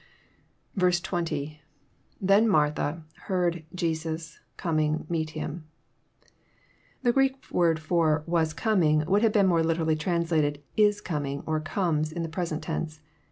— t Then Martha., .heard. . .Jesus. . .coming. . .met him."] The Greek word for '* was coralDg, would have been more literally trans lated, '* is coming," or, *' comes, in the present tense.